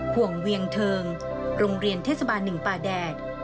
ห่วงเวียงเทิงโรงเรียนเทศบาล๑ป่าแดด